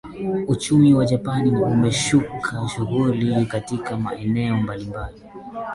uchumi wa japan umeshuka shughuli katika maeneo mbalimbali